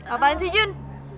apaan sih jun